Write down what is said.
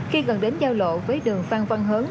khi gần đến giao lộ với đường phan văn hớn